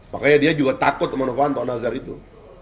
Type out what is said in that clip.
makanya dia juga takut sama novanto nazar itu